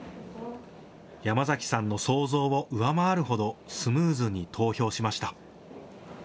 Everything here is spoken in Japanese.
山崎さんの想像を上回るほどスムーズに投票しました。